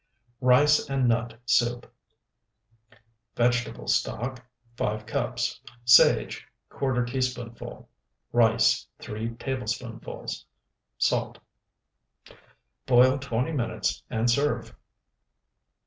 RICE AND NUT SOUP Vegetable stock, 5 cups. Sage, ¼ teaspoonful. Rice, 3 tablespoonfuls. Salt. Boil twenty minutes and serve.